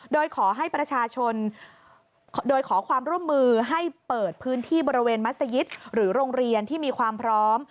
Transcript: โดยขอให้ประชาชนโดยขอความร่วมมือให้เปิดพื้นที่บริเวณมัศยิตหรือโรงเรียนที่มีความพร้อม